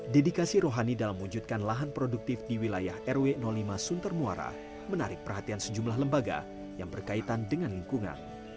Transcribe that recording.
dedikasi rohanidal menunjukkan lahan produktif di wilayah rw lima suntar muara menarik perhatian sejumlah lembaga yang berkaitan dengan lingkungan